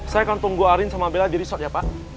saya akan tunggu arin sama bella jadi resort ya pak